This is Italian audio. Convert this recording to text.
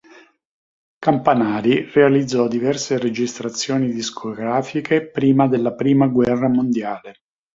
Campanari realizzò diverse registrazioni discografiche prima della prima guerra mondiale.